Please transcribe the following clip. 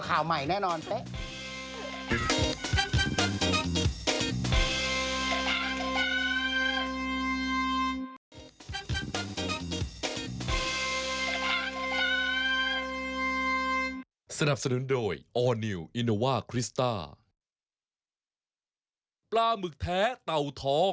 แล้วก็คู่เดียวข่าวใหม่แน่นอน